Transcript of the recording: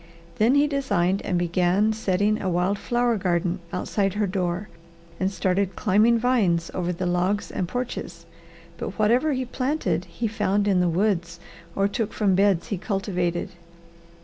Then he designed and began setting a wild flower garden outside her door and started climbing vines over the logs and porches, but whatever he planted he found in the woods or took from beds he cultivated.